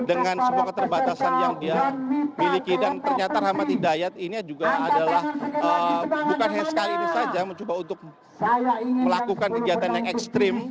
dengan semua keterbatasan yang dia miliki dan ternyata rahmat hidayat ini juga adalah bukan hanya sekali ini saja mencoba untuk melakukan kegiatan yang ekstrim